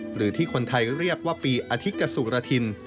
หรือที่คนไทยเรียกว่าปีอธิกษุรทิน